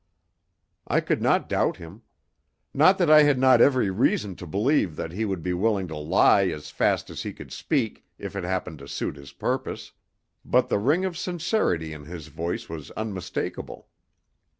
I could not doubt him. Not that I had not every reason to believe that he would be willing to lie as fast as he could speak if it happened to suit his purpose, but the ring of sincerity in his voice was unmistakable.